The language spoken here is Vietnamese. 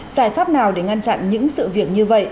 giải pháp nào để ngăn chặn những sự việc như vậy